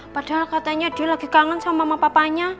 padahal katanya dia lagi kangen sama mama papanya